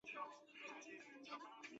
这种现象被称为盈余惯性。